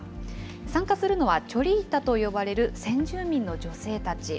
参加するのは、チョリータと呼ばれる先住民の女性たち。